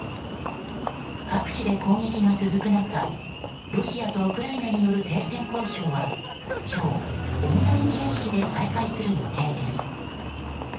各地で攻撃が続く中ロシアとウクライナによる停戦交渉は今日、オンライン形式で再開する予定です。